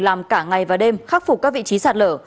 làm cả ngày và đêm khắc phục các vị trí sạt lở